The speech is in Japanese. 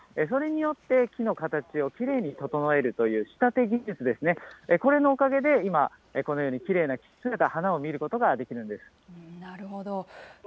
それによって木の形をきれいに整えるという仕立て技術ですね、これのおかげで今、このようにきれいな姿、花を見ることができるんなるほど。